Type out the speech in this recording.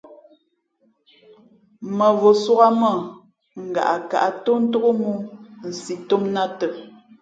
Mᾱvǒ sōk á mâ : ngaꞌkǎꞌ tō ntók mōō, nsi tōm nᾱ ā tα.